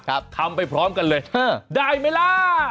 ทำไปพร้อมกันเลยได้ไหมล่ะ